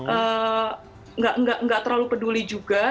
enggak terlalu peduli juga